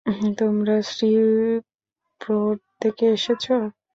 তোমরা শ্রীবপোর্ট থেকে এসেছ?